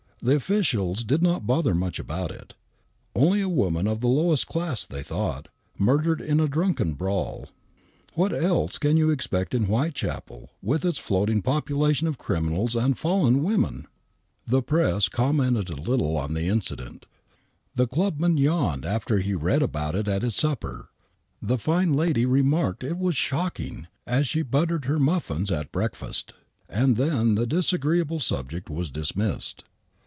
The officials did not bother much about it. Only a woman of the lowest class, they thought, murdered in a drunken brawl. What else can you expect in Whitechapel with its floating population of criminals and fallen women ?^<« THE WHITECHAPEL MURDERS 23 . The press commented a little on the incident; the clubman yawned after he read about it at his supper; the fine lady remarked it was shocking as she buttered her muffins at breakfast, and then the disagreeable subject was dismissed.